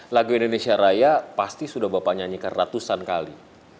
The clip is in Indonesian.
lagu indonesia raya pasti sudah bapak nyanyikan ratusan kali